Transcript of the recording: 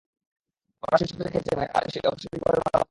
ওরা শীর্ষ পর্যায়ে খেলছে এবং এটা ওদের শারীরিকভাবে ভালো অবস্থায় রাখবে।